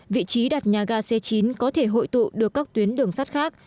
vị trí đặt nhà ga c chín có thể hội tụ được các tuyến đường sắt khác